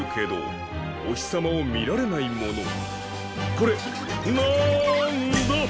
これなんだ？